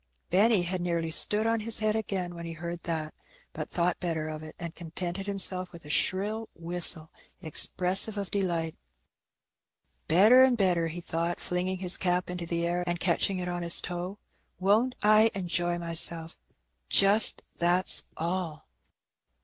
Benny had nearly stood on his head again when he heard that; but thought better of it, and contented himself with a shrill whistle expressive of delight. "Better an' better," he thought, flinging his cap into the air and catching it on his toe; ^' won't I enjoy myself, just, that's all?"